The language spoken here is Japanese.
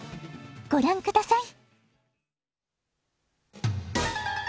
ごらんください！